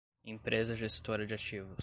Empresa Gestora de Ativos